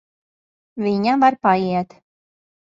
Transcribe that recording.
Viņa var paiet.